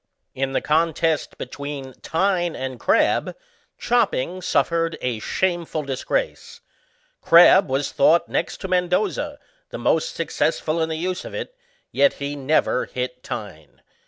In the contest between Tyne and Crabb, chopping suffered a shameful disgrace ; Crabb was thought next to Mendoza, the most successful in the use of it, yet he never hit Tynk.